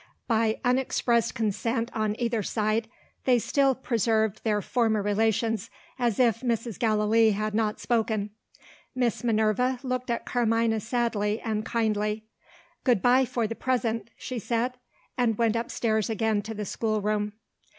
By unexpressed consent, on either side, they still preserved their former relations as if Mrs. Gallilee had not spoken. Miss Minerva looked at Carmina sadly and kindly. "Good bye for the present!" she said and went upstairs again to the schoolroom.